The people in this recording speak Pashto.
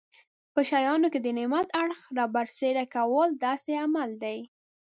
په شیانو کې د نعمت اړخ رابرسېره کول داسې عمل دی.